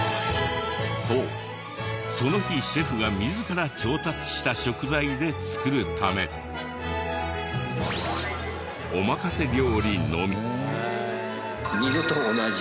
そうその日シェフが自ら調達した食材で作るため。と思ってますけど。